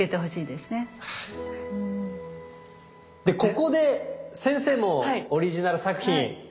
でここで先生のオリジナル作品。